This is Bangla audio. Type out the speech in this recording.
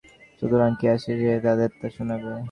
সুতরাং কে আছে যে তাদের তা শুনাবে?